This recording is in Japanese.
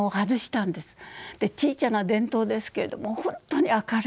ちいちゃな電灯ですけれども本当に明るい。